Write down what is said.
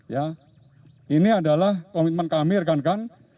ya ini adalah komitmen kami rekan rekan